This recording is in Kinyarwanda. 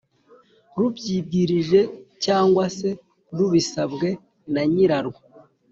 rubyibwirije cyangwa se rubisabwe na nyirarwo.